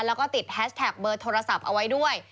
แล้วก็ติดแฮชแท็กเบอร์โทรศัพท์เอาไว้ด้วย